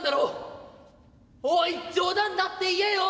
おい冗談だって言えよ！」。